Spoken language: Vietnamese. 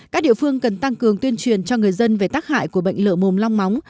các địa phương cần tăng cường tuyên truyền cho người dân về tác hại của bệnh lở mồm long móng